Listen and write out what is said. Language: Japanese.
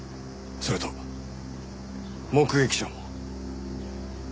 それと目撃者も。